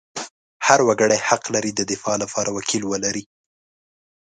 هر وګړی حق لري د دفاع لپاره وکیل ولري.